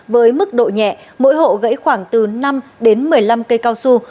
với mức độ nhẹ mỗi hộ gãy khoảng từ năm đến một mươi năm cây cao su